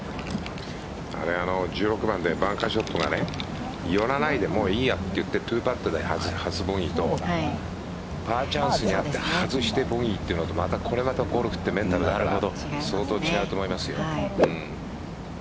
１６番でバンカーショットが寄らないでいいやと言って２パットで外すボギーとパーチャンスにあって外してボギーというのでまた、ゴルフって相当違うと思います。